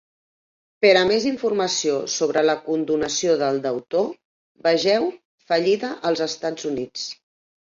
Per a més informació sobre la condonació del deutor, vegeu Fallida als Estats Units.